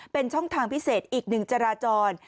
เป็นช่องทางพิเศษอีกหนึ่งจราจร